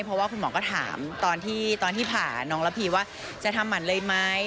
เพราะว่าคุณหมอก็ถามตอนที่ผ่าน้องระพีว่าจะทำหมันเลยไหม